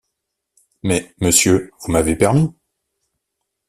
Mais, Monsieur, vous m’avez permis...